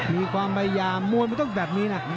มีความพยายามมวยมันต้องแบบนี้นะ